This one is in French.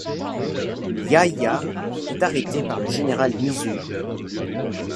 Yahyia est arrêté par le général Misur.